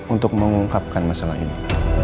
untuk mengungkapkan masalah ini